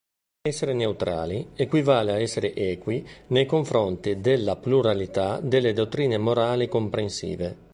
Essere neutrali equivale a essere equi nei confronti della pluralità delle dottrine morali comprensive.